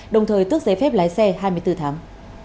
đồng thời tước giấy phép lái xe hai mươi bốn tháng